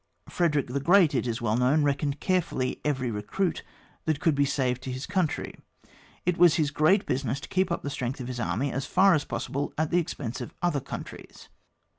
Frederick the Great it is well known reckoned carefully every recruit]that could be saved to his country ; it was his great business to keep up the strength of his army, as far as possible at the expense of other countries.